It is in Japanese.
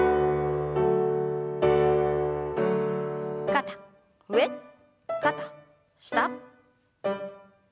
肩上肩下。